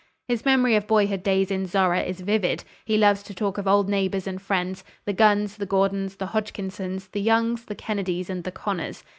His memory of boyhood days in Zorra is vivid. He loves to talk of old neighbors and friends—the Guns, the Gordons, the Hodgkinsons, the Youngs, the Kennedys and the Connors.